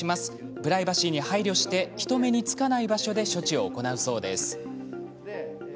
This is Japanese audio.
プライバシーに配慮して人目につかない場所で処置を行うそうです。